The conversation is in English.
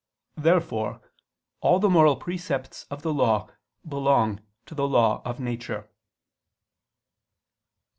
Therefore all the moral precepts of the Law belong to the law of nature.